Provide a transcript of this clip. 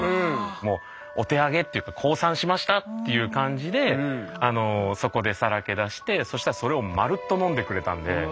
もうお手上げっていうか降参しましたっていう感じでそこでさらけ出してそしたらそれをうわ。